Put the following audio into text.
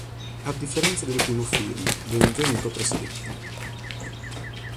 A differenza del primo film, "Benvenuto Presidente!